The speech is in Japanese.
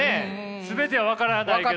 全ては分からないけど。